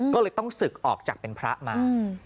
ก็เลยต้องศึกออกจากเป็นพระมา